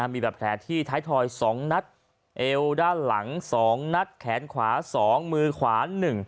มีแบบแผลที่ท้ายทอย๒นัดเอวด้านหลัง๒นัดแขนขวา๒มือขวา๑